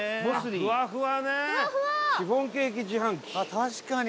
確かに。